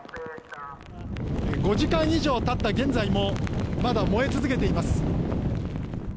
５時間以上経った現在もまだ燃え続けています。